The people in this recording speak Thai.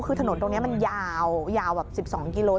คือถนนตรงนี้มันยาวยาวแบบ๑๒กิโล